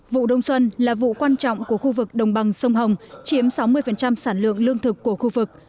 vụ đông xuân là vụ quan trọng của khu vực đồng bằng sông hồng chiếm sáu mươi sản lượng lương thực của khu vực